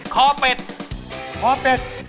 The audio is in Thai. คอเป็ดคอเป็ด